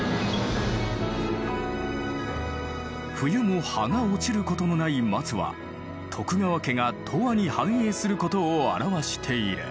冬も葉が落ちることのない松は徳川家が永遠に繁栄することを表している。